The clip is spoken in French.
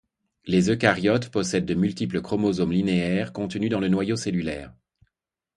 Les eucaryotes possèdent de multiples chromosomes linéaires contenus dans le noyau cellulaire.